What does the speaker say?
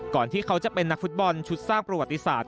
ที่เขาจะเป็นนักฟุตบอลชุดสร้างประวัติศาสต